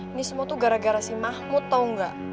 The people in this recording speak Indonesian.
ini semua tuh gara gara si mahmud tau gak